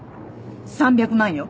３００万よ。